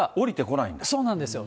そうなんですよ。